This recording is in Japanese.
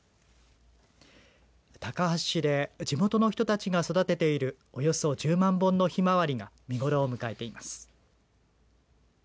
高梁市で地元の人たちが育てているおよそ１０万本のひまわりが見頃を迎えています。